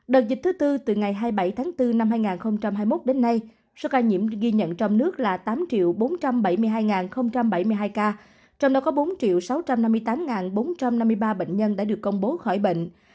đợt dịch thứ tư từ ngày hai mươi bảy tháng bốn năm hai nghìn hai mươi một đến nay số ca nhiễm ghi nhận trong nước là tám bốn trăm bảy mươi hai bảy mươi hai ca trong đó có bốn sáu trăm năm mươi tám bốn trăm năm mươi ba bệnh nhân đã được công bố khỏi bệnh